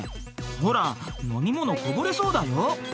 「ほら飲み物こぼれそうだよ」